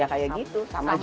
kayak gitu sama aja